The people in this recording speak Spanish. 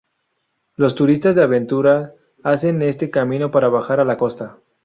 Los turistas de aventura hacen este camino para bajar a la Costa.